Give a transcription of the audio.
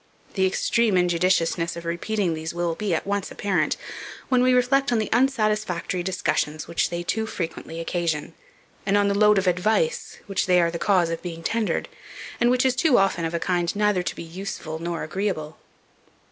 The extreme injudiciousness of repeating these will be at once apparent, when we reflect on the unsatisfactory discussions which they too frequently occasion, and on the load of advice which they are the cause of being tendered, and which is, too often, of a kind neither to be useful nor agreeable.